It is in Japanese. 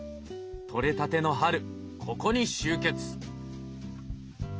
とれたての春ここに集結！